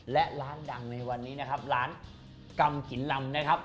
และร้านดังในวันนี้นะครับร้านกำหินลำนะครับ